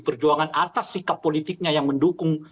perjuangan atas sikap politiknya yang mendukung